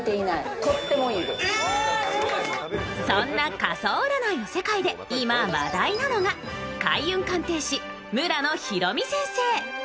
家相占いの世界で今、話題なのが開運鑑定士・村野弘味先生。